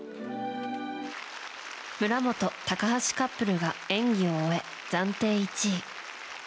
村元、高橋カップルが演技を終え暫定１位。